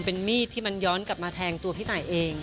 เป็นมีดที่มันย้อนกลับมาแทงตัวพี่ตายเอง